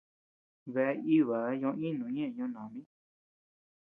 Bea íbaa ño-ínuu ñeʼë Ñoo nami.